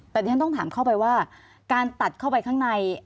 แต่ที่ฉันต้องถามเข้าไปว่าการตัดเข้าไปข้างใน